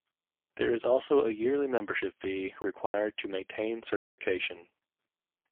There is also a yearly membership fee required to maintain certification.